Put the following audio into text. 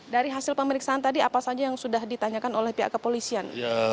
dari hasil pemeriksaan tadi apa saja yang sudah ditanyakan oleh pihak kepolisian